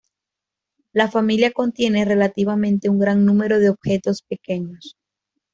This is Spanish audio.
La familia contiene relativamente un gran número de objetos pequeños.